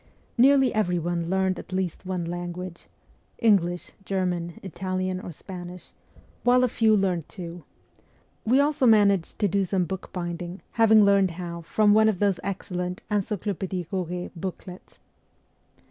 Nearly every one learned at least one language English, German, Italian, or Spanish while a few learned two. We also managed to do some bookbinding, having learned how from one of those excellent Encyclopedic Koret booklets.